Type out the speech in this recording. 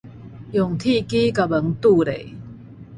用鐵枝共門拄咧